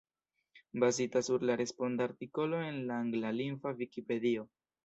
Bazita sur la responda artikolo en la anglalingva Vikipedio.